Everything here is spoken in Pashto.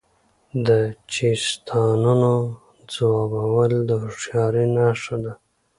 د چیستانونو ځوابول د هوښیارۍ نښه ده.